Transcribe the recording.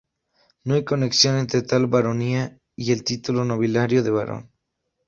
No hay conexión entre tal baronía y el título nobiliario de Barón.